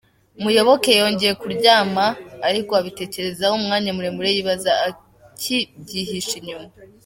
Muyoboke yongeye kuryama ariko abitekerezaho umwanya muremure yibaza ikibyihishe inyuma.